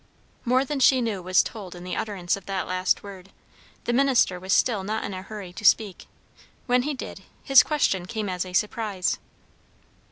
More than she knew was told in the utterance of that last word. The minister was still not in a hurry to speak. When he did, his question came as a surprise.